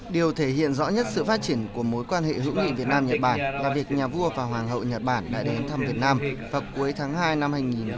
điều thể hiện rõ nhất sự phát triển của mối quan hệ hữu nghị việt nam nhật bản là việc nhà vua và hoàng hậu nhật bản đã đến thăm việt nam vào cuối tháng hai năm hai nghìn một mươi chín